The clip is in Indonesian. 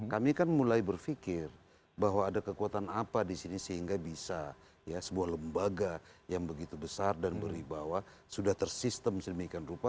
kami kan mulai berpikir bahwa ada kekuatan apa di sini sehingga bisa ya sebuah lembaga yang begitu besar dan berwibawa sudah tersistem sedemikian rupa